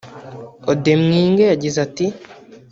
Odemwinge yagize ati